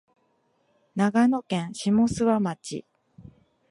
長野県下諏訪町